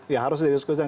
ya harus didiskusikan